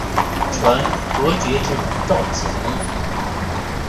传伯爵至赵之龙。